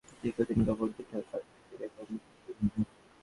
আমাদের শরীরের কয়েকটি অংশ দীর্ঘক্ষণ কাপড় দিয়ে ঢাকা থাকে এবং অতিরিক্ত ঘামে।